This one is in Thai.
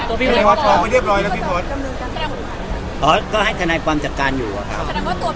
ก็ให้ทนายความจัดการอยู่อะครับ